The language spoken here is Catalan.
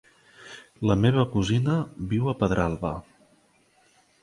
La meva cosina viu a Pedralba.